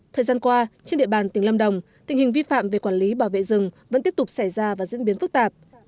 thời gian qua trên địa bàn tỉnh lâm đồng tình hình vi phạm về quản lý bảo vệ rừng vẫn tiếp tục xảy ra và diễn biến phức tạp